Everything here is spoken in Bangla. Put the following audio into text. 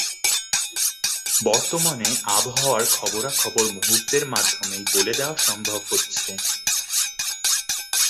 বর্তমানে আবহাওয়ার খবরাখবর মুহুর্তের মাধ্যমেই বলে দেয়া সম্ভব হচ্ছে।